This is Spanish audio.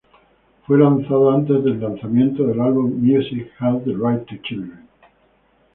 Fue lanzado antes del lanzamiento del álbum Music Has the Right to Children.